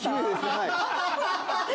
はい。